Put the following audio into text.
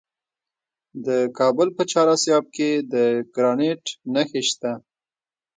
د کابل په چهار اسیاب کې د ګرانیټ نښې شته.